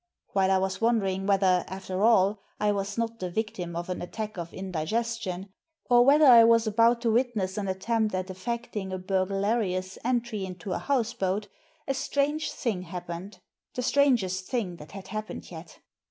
While I was wondering whether, after all, I was not the victim of an attack of indigestion, or whether I was about to witness an attempt at effecting a buiglarious entry into a houseboat, a strange thing happened, the strangest thing that had happened yet.